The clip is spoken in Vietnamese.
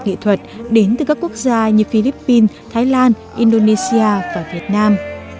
nghệ thuật đến từ các quốc gia như philippines thái lan indonesia và việt nam